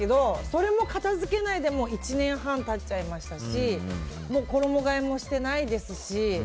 それも片付けないで１年半経っちゃいましたし衣替えもしてないですし。